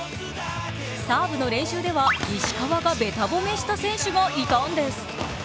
サーブの練習では、石川がべた褒めした選手がいたんです。